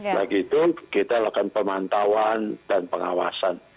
lagi itu kita lakukan pemantauan dan pengawasan